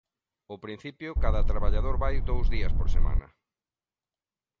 Ao principio cada traballador vai dous días por semana.